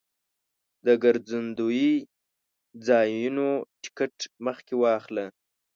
د ګرځندوی ځایونو ټکټ مخکې واخله.